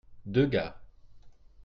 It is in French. deux gars.